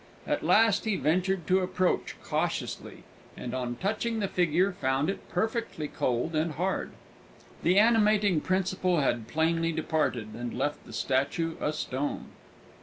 At last he ventured to approach cautiously, and on touching the figure, found it perfectly cold and hard. The animating principle had plainly departed, and left the statue a stone.